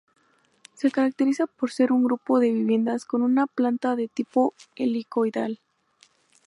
Se caracteriza por ser un grupo de viviendas con una planta de tipo helicoidal.